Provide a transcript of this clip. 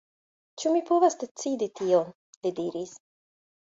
Ĉu mi povas decidi tion?li diris.